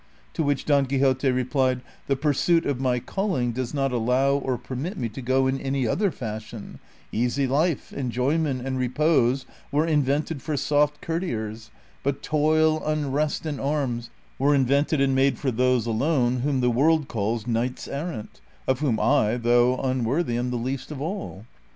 To which Don Quixote replied, " The pursuit of my calling does not allow or permit me to go in any other fashion ; easy life, enjoyment, and repose were invented for soft courtiers, but toil, unrest, and arms, were invented and made for those alone whom the world calls knights errant, of whom I, though unworthy, am the least of all."